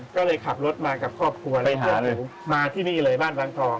ก็เลยขับรถมากับครอบครัวเลยหาเลยมาที่นี่เลยบ้านบางทอง